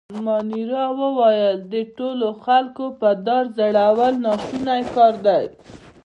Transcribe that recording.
مانیرا وویل: د ټولو خلکو په دار ځړول ناشونی کار دی.